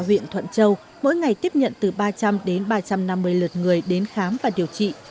bệnh viện đào khoa thuận châu mỗi ngày tiếp nhận từ ba trăm linh đến ba trăm năm mươi lượt người đến khám và điều trị